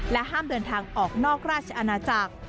ห้ามเดินทางออกนอกราชอาณาจักร